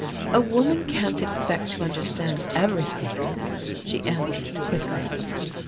"A woman can't expect to understand everything," she answered quickly.